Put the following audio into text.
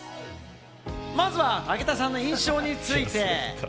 まずは武田さんの印象について。